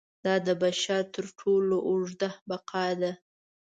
دا د بشر تر ټولو اوږده بقا ده.